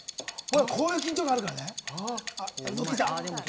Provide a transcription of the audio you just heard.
こういう緊張感あるからね。